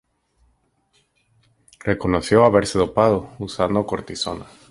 Reconoció haberse dopado, usando Cortisona.